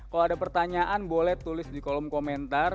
kalau ada pertanyaan boleh tulis di kolom komentar